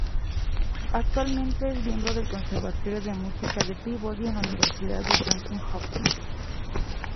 Actualmente es miembro del Conservatorio de Música de Peabody en la Universidad Johns Hopkins.